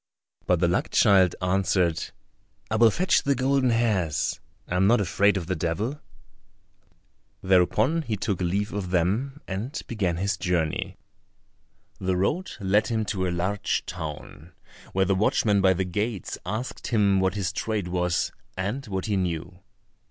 But the luck child answered, "I will fetch the golden hairs, I am not afraid of the Devil;" thereupon he took leave of them and began his journey. The road led him to a large town, where the watchman by the gates asked him what his trade was, and what he knew.